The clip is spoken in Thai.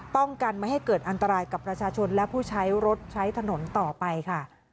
ป้องกันไม่ให้เกิดอันตรายกับประชาชนและผู้ใช้รถใช้ถนนต่อไปค่ะ